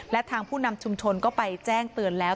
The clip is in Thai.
และทางผู้นำชุมชนก็ไปแจ้งเตือนแล้ว